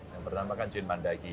yang bernama kan jane mandagi